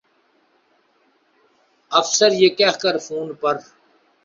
افسر یہ کہہ کر فون پر